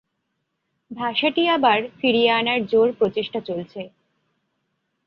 ভাষাটি আবার ফিরিয়ে আনার জোর প্রচেষ্টা চলছে।